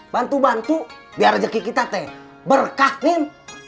bantu bantu biar rezeki kita teh berkah min